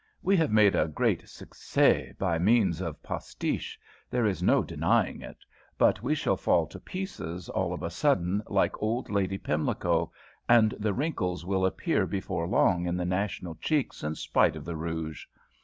We have made a great succès by means of postiche there is no denying it. But we shall fall to pieces all of a sudden like old Lady Pimlico; and the wrinkles will appear before long in the national cheeks in spite of the rouge.